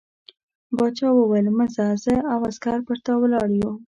باچا وویل مه ځه زه او عسکر پر تا ولاړ یو.